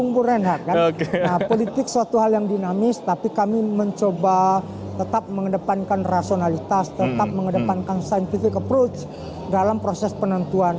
nah politik suatu hal yang dinamis tapi kami mencoba tetap mengedepankan rasionalitas tetap mengedepankan scientific approach dalam proses penentuan